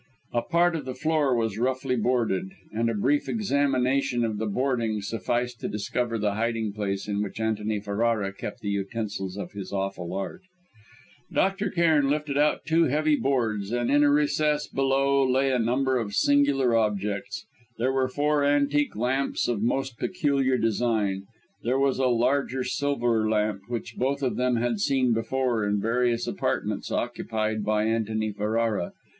A part of the floor was roughly boarded, and a brief examination of the boarding sufficed to discover the hiding place in which Antony Ferrara kept the utensils of his awful art. Dr. Cairn lifted out two heavy boards; and in a recess below lay a number of singular objects. There were four antique lamps of most peculiar design; there was a larger silver lamp, which both of them had seen before in various apartments occupied by Antony Ferrara.